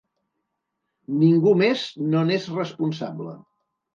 Ningú més no n’és responsable.